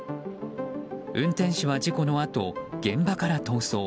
運転手は事故のあと現場から逃走。